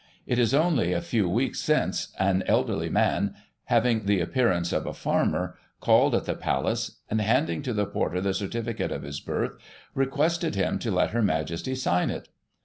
It is only a few weeks since, an elderly man, having the appearance of a farmer, called at the Palace, and handing to the porter the certificate of his birth, requested him to let Her Majesty sign it.